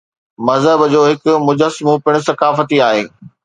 مذهب جو هڪ مجسمو پڻ ثقافتي آهي.